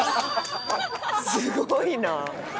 すごいな！